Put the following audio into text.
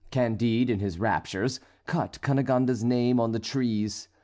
Candide, in his raptures, cut Cunegonde's name on the trees.